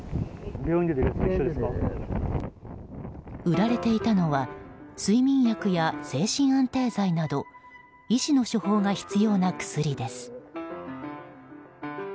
売られていたのは睡眠薬や精神安定剤など医師の処方が必要な薬です。